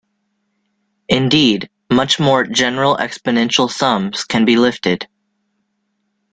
Indeed, much more general exponential sums can be lifted.